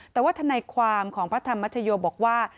แต่ว่าทนายความของพระธรรมชโยบอกว่า